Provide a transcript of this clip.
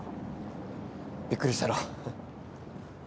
びっくりしたろ？